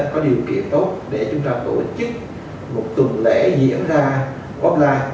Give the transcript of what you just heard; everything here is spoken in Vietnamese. có điều kiện tốt để chúng ta tổ chức một tuần lễ diễn ra quốc lạc